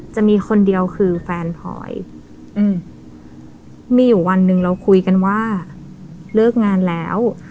จะมีคนเดียวคือแฟนพลอยมีอยู่วันหนึ่งเราคุยกันว่าเลิกงานแล้ว